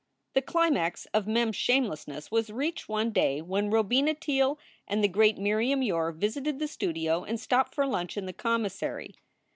The climax of Mem s shamelessness was reached one day when Robina Teele and the great Miriam Yore visited the studio and stopped for lunch in the commissary.